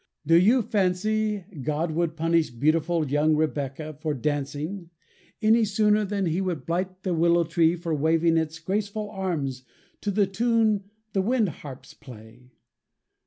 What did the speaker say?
Do you fancy God would punish beautiful young Rebecca for dancing, any sooner than he would blight the willow tree for waving its graceful arms to the tune the wind harps play?